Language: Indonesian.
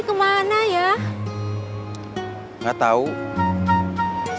gak ada yang kabur